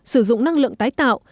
sử dụng năng lượng tái tạo